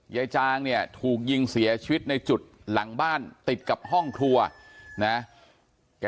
จางเนี่ยถูกยิงเสียชีวิตในจุดหลังบ้านติดกับห้องครัวนะ